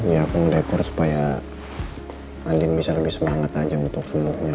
ya aku mendekor supaya andin bisa lebih semangat aja untuk semuanya